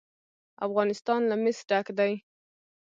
افغانستان له مس ډک دی.